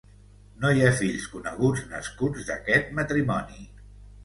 No hi ha fills coneguts nascuts d'aquest matrimoni.